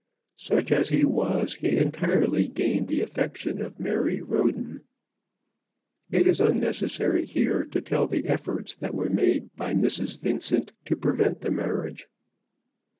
Such as he was he entirely gained the affection of Mary Roden. It is unnecessary here to tell the efforts that were made by Mrs. Vincent to prevent the marriage.